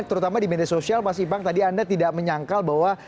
terutama di media sosial mas ipang tadi anda tidak menyangkal bahwa